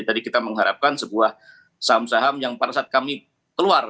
jadi kita mengharapkan sebuah saham saham yang pada saat kami keluar